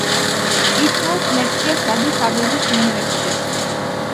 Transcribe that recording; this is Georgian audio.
კითხულობს ლექციებს ადის-აბების უნივერსიტეტში.